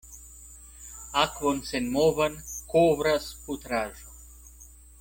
Akvon senmovan kovras putraĵo.